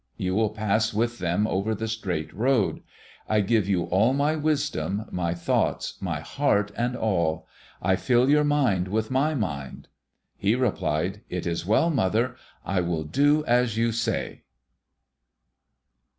You will pass with them over the straight road. I give to you all my wisdom, my thoughts, my heart, and all. I fill your mind with my mind." He replied: "It is well, mother. I will do as you say."